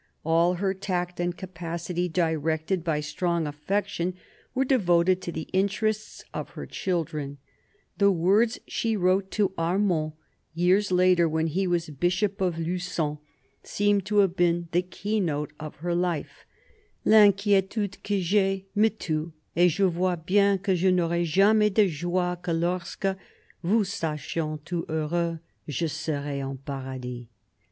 All her tact and capacity, directed by strong affection, were devoted to the interests of her children. The words she wrote to Armand, years later, when he was Bishop of Lugon, seem to have been the key note of her life :" L'inqui6tude que j'ai me tue et je vois bien que je n'aurai jamais de joie que lorsque, vous sachant tous heureux, je serai en paradis."